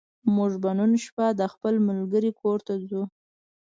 موږ به نن شپه د خپل ملګرې کور ته ځو